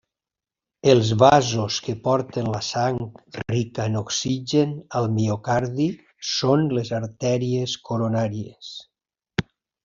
Els vasos que porten la sang rica en oxigen al miocardi són les artèries coronàries.